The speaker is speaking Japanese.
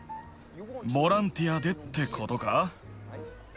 ボランティアでってことか？